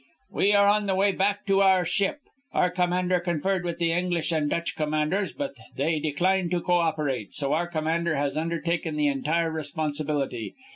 "We are on the way back to our ship. Our commander conferred with the English and Dutch commanders; but they declined to cooperate, so our commander has undertaken the entire responsibility.